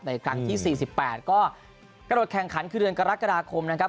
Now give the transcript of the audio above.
ครั้งที่๔๘ก็กระโดดแข่งขันคือเดือนกรกฎาคมนะครับ